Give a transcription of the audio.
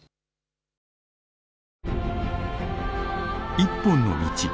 「一本の道」。